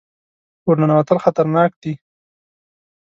ور ننوتل خطرناک دي.